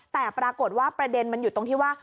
แต่ปรากฏว่าประเด็นมันอยู่ตรงที่ว่า